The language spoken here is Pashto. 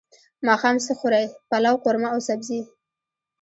ماښام څه خورئ؟ پلاو، قورمه او سبزی